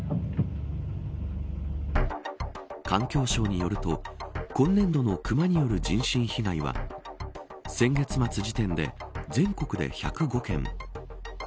環境省によると今年度の熊による人身被害は先月末時点で全国で１０５件。